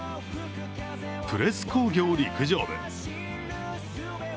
プレス工業陸上部。